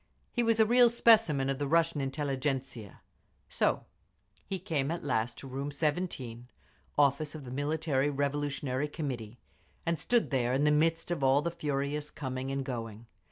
He was a real specimen of the Russian intelligentzia…. So he came at last to Room 17, office of the Military Revolutionary Committee, and stood there in the midst of all the furious coming and going.